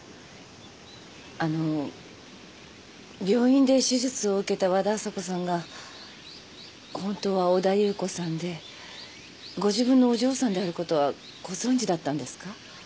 あの病院で手術を受けた和田朝子さんが本当は小田夕子さんでご自分のお嬢さんであることはご存じだったんですか？